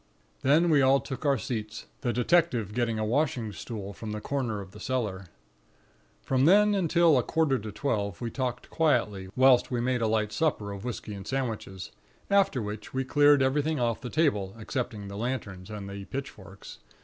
"Then we all took our seats, the detective getting a washing stool from the corner of the cellar. From then, until a quarter to twelve, we talked quietly, whilst we made a light supper of whisky and sandwiches; after which, we cleared everything off the table, excepting the lanterns and the pitchforks.